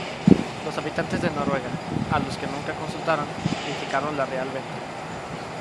Los habitantes de Noruega, a los que nunca consultaron, criticaron la real venta.